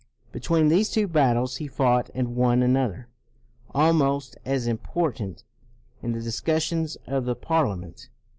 Between these two battles he fought and won another, almost as important, in the discussions of the Parliament.